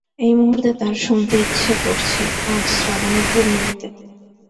এই মুহূর্তে তাঁর শুনতে ইচ্ছা করছে-আজ শ্রাবণের পূর্ণিমাতে।